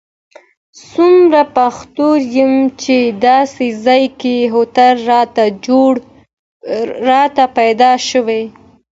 څومره بختور یم چې داسې ځای کې هوټل راته پیدا شوی.